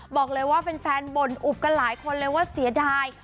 บอกเลยว่าแฟนบ่นอุบกันหลายคนเลยว่าเสียดาย